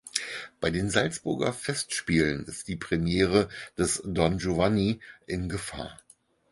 Bei den Salzburger Festspielen ist die Premiere des "Don Giovanni" in Gefahr.